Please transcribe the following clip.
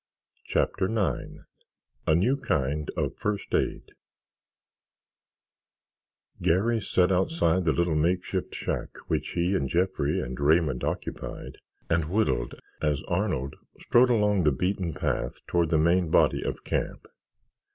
CHAPTER IX A NEW KIND OF FIRST AID Garry sat outside the little makeshift shack which he and Jeffrey and Raymond occupied, and whittled as Arnold strode along the beaten path toward the main body of camp.